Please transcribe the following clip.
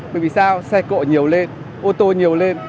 bởi vì sao xe cộ nhiều lên ô tô nhiều lên